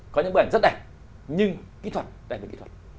có những bức ảnh rất đẹp nhưng kỹ thuật đẹp về kỹ thuật